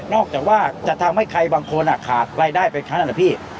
จากว่าจะทำให้ใครบางคนขาดรายได้ไปครั้งนั้นเหรอพี่